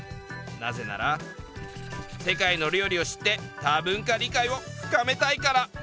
「なぜなら世界の料理を知って多文化理解を深めたいから」。